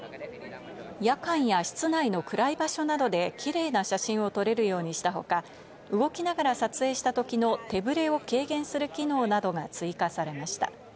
夜間や室内の暗い場所などでキレイな写真を撮れるようにしたほか、動きながら撮影した時の手ぶれを軽減する機能などが追加されました。